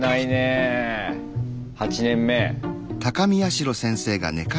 ８年目。